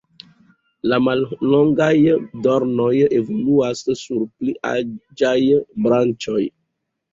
La mallongaj dornoj evoluas sur pli aĝaj branĉoj.